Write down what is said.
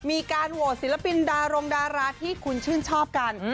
มีการโหวตศิลปินดารงดาราที่คุณชื่นชอบกัน